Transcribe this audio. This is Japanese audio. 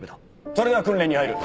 それでは訓練に入る。